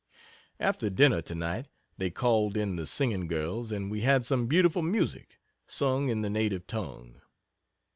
After dinner tonight they called in the "singing girls," and we had some beautiful music; sung in the native tongue.